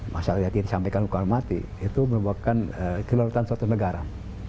masalah yang disampaikan hukuman mati itu merupakan kelelatan suatu negara